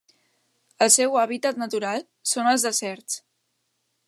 El seu hàbitat natural són els deserts.